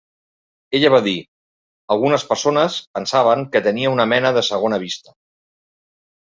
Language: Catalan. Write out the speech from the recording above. Ella va dir: Algunes persones pensaven que tenia una mena de segona vista.